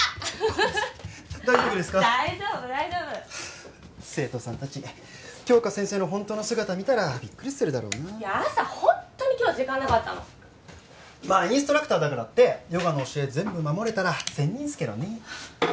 大丈夫大丈夫生徒さん達杏花先生の本当の姿見たらビックリするだろうな朝ホントに今日は時間なかったのまあインストラクターだからってヨガの教え全部守れたら仙人っすけどね